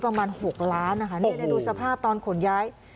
ประมาณ๖ล้านนะคะนี่ดูสภาพตอนขนย้าย